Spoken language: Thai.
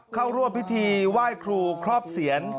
เข้าร่วมพิธีไหว้ครูครอบเสียน